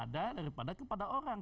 daripada kepada orang